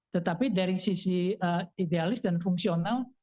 tetapi dari sisi idealis dan fungsional